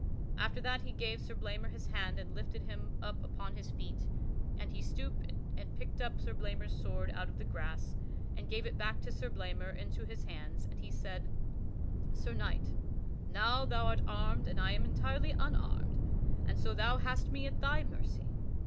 After that he gave Sir Blamor his hand and lifted him up upon his feet. And he stooped and picked up Sir Blamor's sword out of the grass and gave it back to Sir Blamor into his hands, and he said: "Sir Knight, now thou art armed and I am entirely unarmed, and so thou hast me at thy mercy.